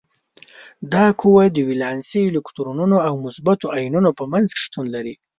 دا قوه د ولانسي الکترونونو او مثبتو ایونونو په منځ کې شتون لري.